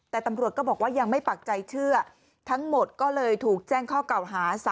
แต่ตำรวจก็บอกว่ายังไม่ปักใจเชื่อทั้งหมดก็เลยถูกแจ้งข้อเก่าหา